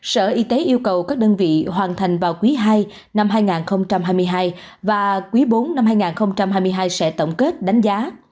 sở y tế yêu cầu các đơn vị hoàn thành vào quý ii năm hai nghìn hai mươi hai và quý bốn năm hai nghìn hai mươi hai sẽ tổng kết đánh giá